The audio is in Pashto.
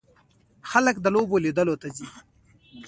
خلک د لوبو لیدلو ته ځي.